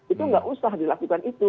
itu nggak usah dilakukan itu